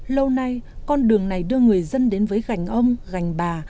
lâu nay con đường này đưa người dân đến với gành ông gành bà